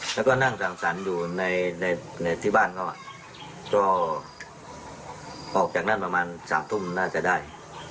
แล้วก็นั่งสั่งสรรค์อยู่ในที่บ้านเขาก็ออกจากนั่นประมาณ๓ทุ่มน่าจะได้